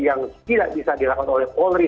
yang tidak bisa dilakukan oleh polri